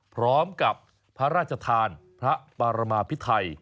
เพราะว่าพระลาชาธานพระปรมพิไทย